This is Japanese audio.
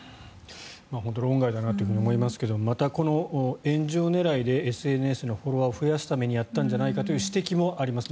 本当に論外だなと思いますがまた、この炎上狙いでＳＮＳのフォロワーを増やすためにやったんじゃないかという指摘もあります。